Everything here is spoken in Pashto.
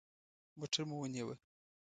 موټر مو ونیوه.